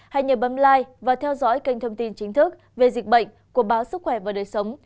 hãy nhờ bấm lai và theo dõi kênh thông tin chính thức về dịch bệnh của báo sức khỏe và đời sống